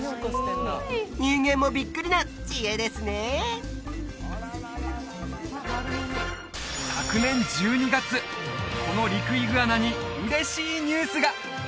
人間もビックリな知恵ですね昨年１２月このリクイグアナに嬉しいニュースが！